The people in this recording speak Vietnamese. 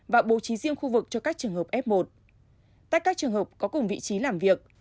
và bố trí riêng khu vực cho các trường hợp f một tách các trường hợp có cùng vị trí làm việc